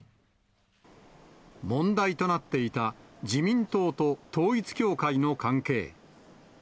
問題となっていた自民党と統一教会の関係。